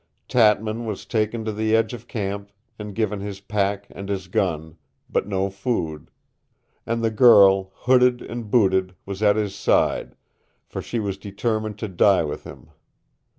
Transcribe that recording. Tatman was taken to the edge of camp and given his pack and his gun but no food. And the girl, hooded and booted, was at his side, for she was determined to die with him.